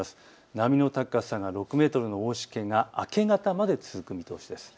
波の高さが６メートルの大しけが明け方まで続く見通しです。